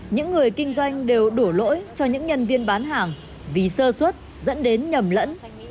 những người kinh doanh đều đổ lỗi cho những nhân viên bán hàng vì sơ xuất dẫn đến nhầm lẫn